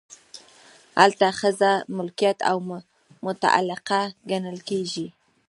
هلته ښځه ملکیت او متعلقه ګڼل کیږي.